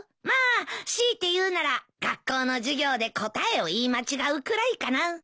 まあ強いて言うなら学校の授業で答えを言い間違うくらいかな。